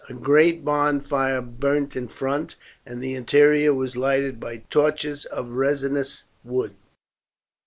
A great bonfire burnt in front, and the interior was lighted by torches of resinous wood.